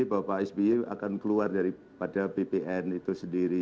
bahwa pak sby akan keluar daripada bpn itu sendiri